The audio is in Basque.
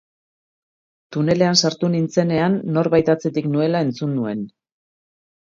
Tunelean sartu nintzenean norbait atzetik nuela entzun nuen.